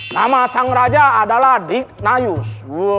nama sang raja adalah dignayus